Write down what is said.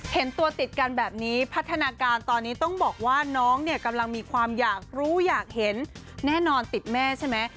เห็นตัวติดกันแบบนี้พัฒนาการตอนนี้ต้องบอกว่าน้องเนี่ยกำลังมีความอยากรู้อยากเห็นแน่นอนติดแม่ใช่ไหม